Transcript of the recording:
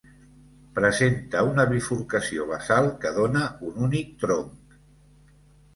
Presenta una bifurcació basal que dóna un únic tronc.